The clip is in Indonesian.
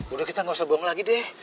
udah kita ga usah bohong lagi deh